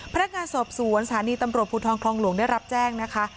พนักงานสอบสวนสถานีตำรวจภูทรคลองหลวงได้รับแจ้งนะคะ